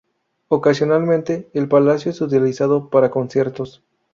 Ocasionalmente, el palacio es utilizado para conciertos.